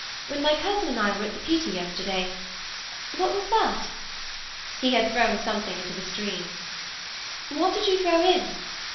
When my cousin and I were at the Pitti yesterday—What was that?" He had thrown something into the stream. "What did you throw in?"